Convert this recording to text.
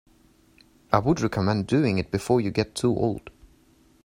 I would recommend doing it before you get too old.